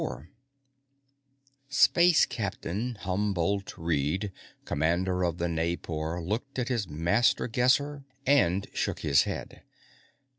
IV Space Captain Humbolt Reed, commander of the Naipor, looked at his Master Guesser and shook his head.